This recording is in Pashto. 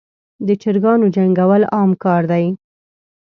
دچراګانو جنګول عام کار دی.